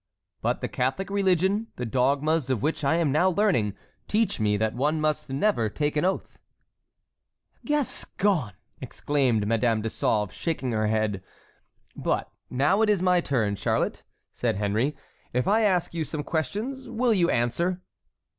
"But the Catholic religion, the dogmas of which I am now learning, teach me that one must never take an oath." "Gascon!" exclaimed Madame de Sauve, shaking her head. "But now it is my turn, Charlotte," said Henry. "If I ask you some questions, will you answer?"